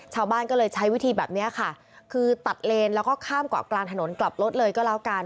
ชาวบ้านก็เลยใช้วิธีแบบนี้ค่ะคือตัดเลนแล้วก็ข้ามเกาะกลางถนนกลับรถเลยก็แล้วกัน